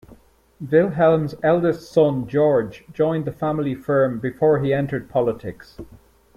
Wilhelm's eldest son George joined the family firm before he entered politics.